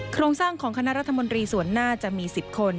โครงสร้างของคณะรัฐมนตรีส่วนหน้าจะมี๑๐คน